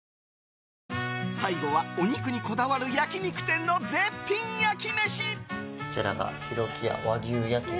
最後はお肉にこだわる焼き肉店の絶品焼き飯。